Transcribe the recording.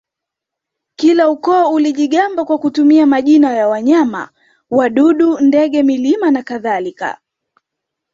Kila ukoo ulijigamba kwa kutumia majina ya wanyama wadudu ndege milima na kadhalika